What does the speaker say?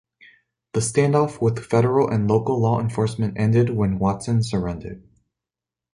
The standoff with federal and local law enforcement ended when Watson surrendered.